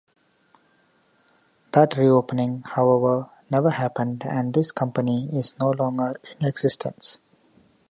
That re-opening, however, never happened and this company is no longer in existence.